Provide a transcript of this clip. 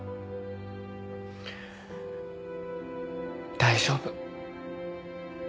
大丈夫。